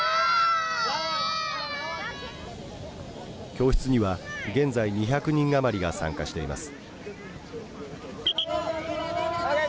教室には、現在２００人あまりが参加しています。